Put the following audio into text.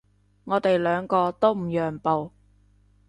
我哋兩個都唔讓步